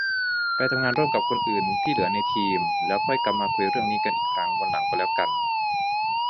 ไปทำงานร่วมกับคนที่เหลือในทีม แล้วค่อยกลับมาคุยเรื่องนี้กันอีกครั้งวันหลังก็แล้วกัน